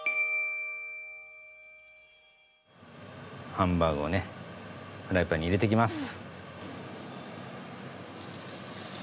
ハンバーグをねフライパンに入れていきます。